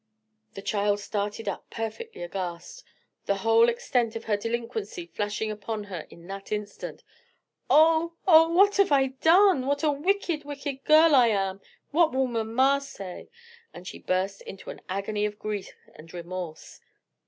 The child started up perfectly aghast, the whole extent of her delinquency flashing upon her in that instant. "Oh, oh! what have I done! what a wicked, wicked girl I am! what will mamma say!" And she burst into an agony of grief and remorse.